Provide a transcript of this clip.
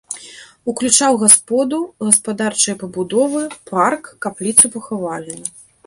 Уключаў гасподу, гаспадарчыя пабудовы, парк, капліцу-пахавальню.